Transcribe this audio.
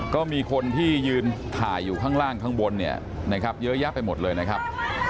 ก็มีคนที่ยืนถ่ายอยู่ข้างล่างข้างบนเนี่ยนะครับเยอะแยะไปหมดเลยนะครับ